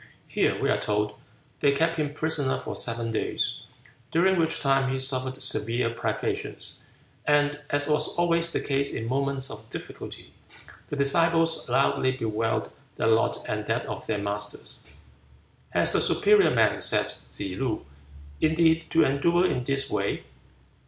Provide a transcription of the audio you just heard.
Here, we are told, they kept him a prisoner for seven days, during which time he suffered severe privations, and, as was always the case in moments of difficulty, the disciples loudly bewailed their lot and that of their master. "Has the superior man," said Tsze loo, "indeed, to endure in this way?"